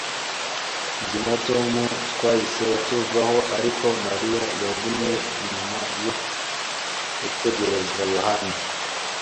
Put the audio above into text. Jye na Tom twahise tuvaho, ariko Mariya yagumye inyuma yo gutegereza Yohana.